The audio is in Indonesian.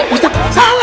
ustadz ini belakangnya